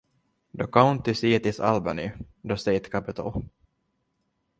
The county seat is Albany, the state capital.